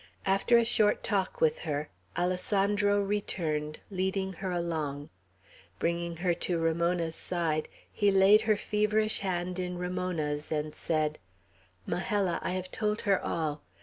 After a short talk with her, Alessandro returned, leading her along. Bringing her to Ramona's side, he laid her feverish hand in Ramona's, and said: "Majella, I have told her all.